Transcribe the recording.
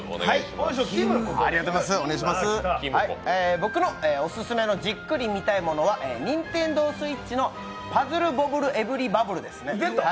僕のオススメのじっくり見たいものはＮｉｎｔｅｎｄｏＳｗｉｔｃｈの「パズルボブルエブリバブル！」ですね。